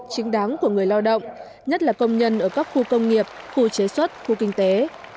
chính đáng của người lao động nhất là công nhân ở các khu công nghiệp khu chế xuất khu kinh tế